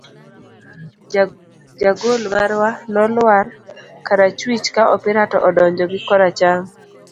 Jagol marwa nolwar korachwich, ka opira to odonjo gi koracham.